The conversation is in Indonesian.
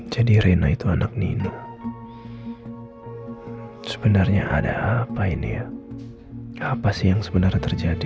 jadi reina itu anak nina sebenarnya ada apa ini ya apa sih yang sebenarnya terjadi